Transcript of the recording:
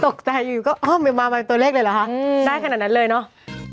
ตกใจอยู่ก็อ้อมมาเป็นตัวเลขเลยเหรอคะได้ขนาดนั้นเลยเนอะ